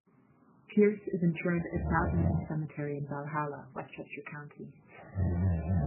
Peerce is interred at Mount Eden Cemetery in Valhalla, Westchester County.